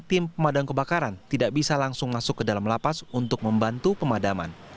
tim pemadam kebakaran tidak bisa langsung masuk ke dalam lapas untuk membantu pemadaman